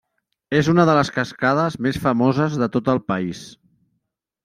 És una de les cascades més famoses de tot el país.